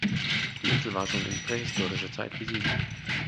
Die Insel war schon in prähistorischer Zeit besiedelt.